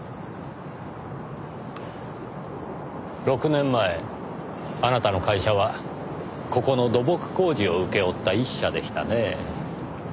６年前あなたの会社はここの土木工事を請け負った一社でしたねぇ。